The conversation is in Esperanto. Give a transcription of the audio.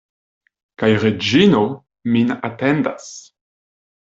Kaj Reĝino min atendas.